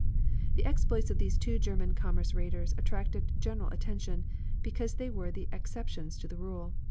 The exploits of these two German commerce raiders attracted general attention, because they were the exceptions to the rule.